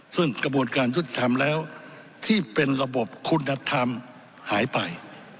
ซึ่งกระบวนการยุติธรรมแล้วที่เป็นระบบคุณธรรมหายไป